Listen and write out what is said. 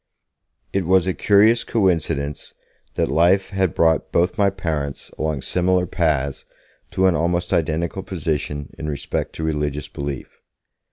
It was a curious coincidence that life had brought both my parents along similar paths to an almost identical position in respect to religious belief.